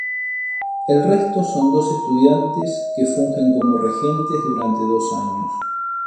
El resto son dos estudiantes que fungen como regentes durante dos años.